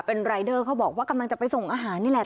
เป็นรายเดอร์เขาบอกว่ากำลังจะไปส่งอาหารนี่แหละ